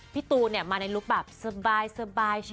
พี่ตูนเนี่ยมาในลูกแบบสบาย